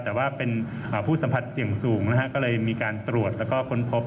แต่ว่าเป็นผู้สัมผัสเสี่ยงสูงนะฮะก็เลยมีการตรวจแล้วก็ค้นพบ